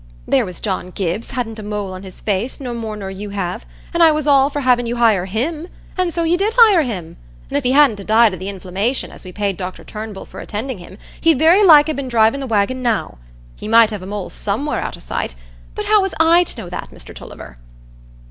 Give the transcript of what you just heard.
There was John Gibbs hadn't a mole on his face no more nor you have, an' I was all for having you hire him; an' so you did hire him, an' if he hadn't died o' th' inflammation, as we paid Dr Turnbull for attending him, he'd very like ha' been drivin' the wagon now. He might have a mole somewhere out o' sight, but how was I to know that, Mr Tulliver?"